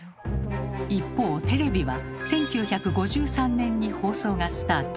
一方テレビは１９５３年に放送がスタート。